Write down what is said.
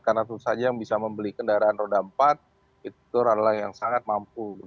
karena tentu saja yang bisa membeli kendaraan roda empat itu adalah yang sangat mampu